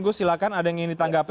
gus silahkan ada yang ingin ditanggapi